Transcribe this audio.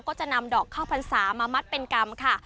ก็จะนำดอกข้าวพรรษามามัดเป็นกรรมค่ะ